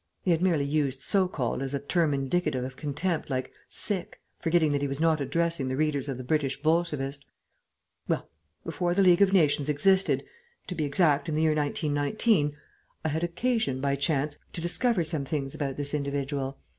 He had merely used "so called" as a term indicative of contempt, like "sic," forgetting that he was not addressing the readers of the British Bolshevist. "Well, before the League of Nations existed to be exact, in the year 1919 I had occasion, by chance, to discover some things about this individual.